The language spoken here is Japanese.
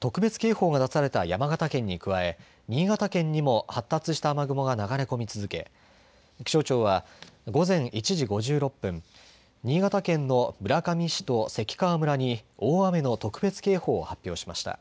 特別警報が出された山形県に加え新潟県にも発達した雨雲が流れ込み続け気象庁は午前１時５６分新潟県の村上市と関川村に大雨の特別警報を発表しました。